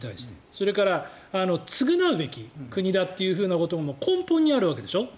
それから償うべき国だということが根本にあるわけでしょ